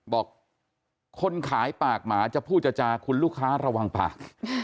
บอกคนขายปากหมาจะพูดจาคุณลูกค้าระวังปาก